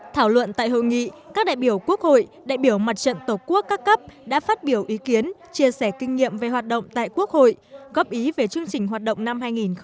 thảo luận tại hội nghị các đại biểu quốc hội đại biểu mặt trận tổ quốc các cấp đã phát biểu ý kiến chia sẻ kinh nghiệm về hoạt động tại quốc hội góp ý về chương trình hoạt động năm hai nghìn hai mươi bốn